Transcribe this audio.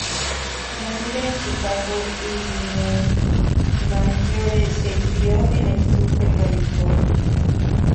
Nacida en Chicago, Illinois, Maggiore se crio en el sur de California.